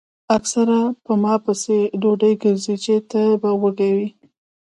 اکثر پۀ ما پسې ډوډۍ ګرځئ چې تۀ به وږے ئې ـ